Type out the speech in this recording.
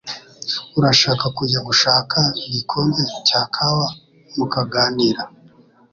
Urashaka kujya gushaka igikombe cya kawa mukaganira?